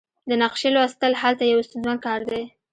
د نقشې لوستل هلته یو ستونزمن کار دی